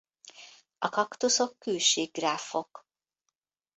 A kaktuszok külsíkgráfok.